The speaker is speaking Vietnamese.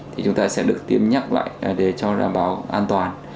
thì chúng ta sẽ được tiêm nhắc lại để cho đảm bảo an toàn